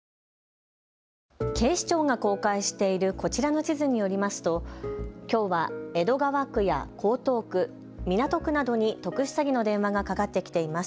警視庁が公開しているこちらの地図によりますときょうは江戸川区や江東区、港区などに特殊詐欺の電話がかかってきています。